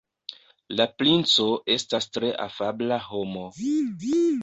La princo estas tre afabla homo.